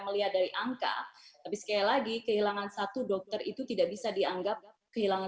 melihat dari angka tapi sekali lagi kehilangan satu dokter itu tidak bisa dianggap kehilangan